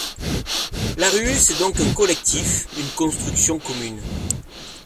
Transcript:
La rue, c’est donc un collectif, une construction commune.